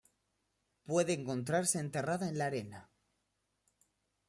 Puede encontrarse enterrada en la arena.